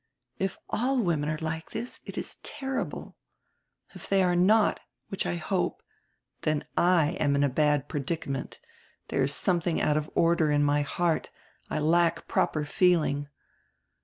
If all women are like this it is terrible, if they are not — which I hope — then / am in a bad predicament; there is some thing out of order in my heart, I lack proper feeling.